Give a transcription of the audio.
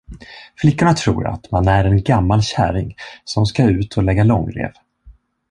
Flickorna tror att man är en gammal käring som skall ut och lägga långrev.